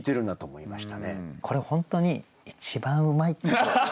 これ本当に一番うまいって思う。